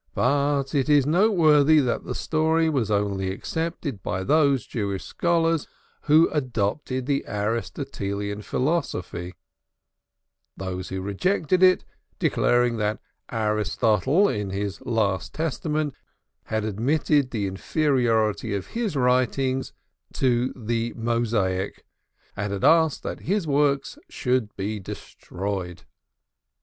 But it is noteworthy that the story was only accepted by those Jewish scholars who adopted the Aristotelian philosophy, those who rejected it declaring that Aristotle in his last testament had admitted the inferiority of his writings to the Mosaic, and had asked that his works should be destroyed.